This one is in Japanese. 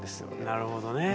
なるほどね。